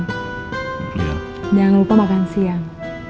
dan jangan lupa makan siang